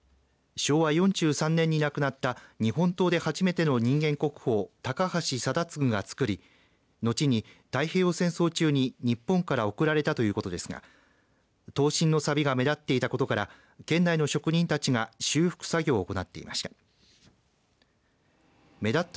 昭和４３年に亡くなった日本刀で初めての人間国宝高橋貞次がつくりのちに太平洋戦争中に日本から送られたということですが刀身のさびが目立っていたことから県内の職人たちが修復作業を行ってきました。